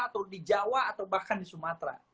atau di jawa atau bahkan di sumatera